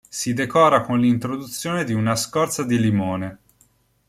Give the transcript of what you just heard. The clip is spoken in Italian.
Si decora con l'introduzione di una scorza di limone.